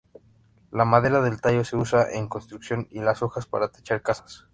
La madera del tallo se usa en construcción y las hojas para techar casas.